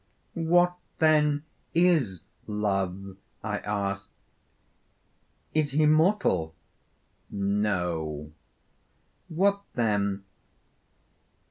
'What then is Love?' I asked; 'Is he mortal?' 'No.' 'What then?'